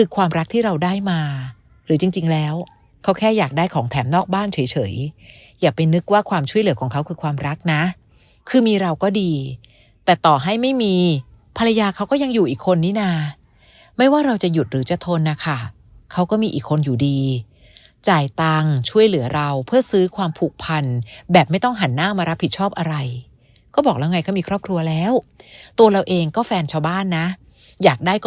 ความรักที่เราได้มาหรือจริงแล้วเขาแค่อยากได้ของแถมนอกบ้านเฉยอย่าไปนึกว่าความช่วยเหลือของเขาคือความรักนะคือมีเราก็ดีแต่ต่อให้ไม่มีภรรยาเขาก็ยังอยู่อีกคนนี้นะไม่ว่าเราจะหยุดหรือจะทนนะคะเขาก็มีอีกคนอยู่ดีจ่ายตังค์ช่วยเหลือเราเพื่อซื้อความผูกพันแบบไม่ต้องหันหน้ามารับผิดชอบอะไรก็บอกแล้วไงก็มีครอบครัวแล้วตัวเราเองก็แฟนชาวบ้านนะอยากได้ก